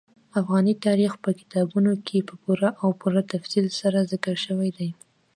افغاني تاریخ په کتابونو کې په پوره او پوره تفصیل سره ذکر شوی دي.